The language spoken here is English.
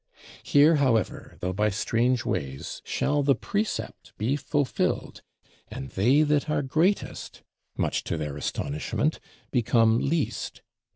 Here, however, though by strange ways, shall the Precept be fulfilled, and they that are greatest (much to their astonishment) become least.